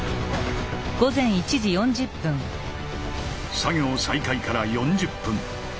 作業再開から４０分。